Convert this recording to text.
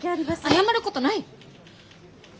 謝ることない。